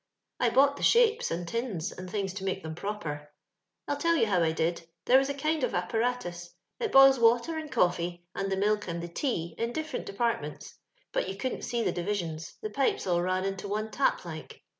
I bought the shapes, and tins, and things to make them proper. *^ I'll tell you how I did — there was a kind of apparatus ; it boils water and coflEee, and the milk and the tea, in different departments; but you couldn't see tlie divisions — the pipes all ran into one tap, like.